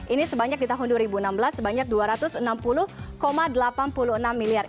ini sebanyak di tahun dua ribu enam belas sebanyak dua ratus enam puluh delapan puluh enam miliar